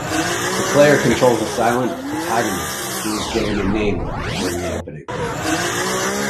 The player controls a silent protagonist who is given a name during the opening.